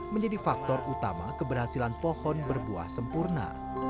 menjadi faktor utama keberhasilan pohon berbuah sempurna